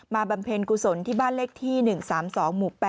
บำเพ็ญกุศลที่บ้านเลขที่๑๓๒หมู่๘